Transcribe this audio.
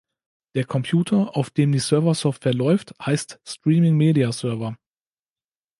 Der Computer, auf dem die Server-Software läuft, heißt Streaming Media Server.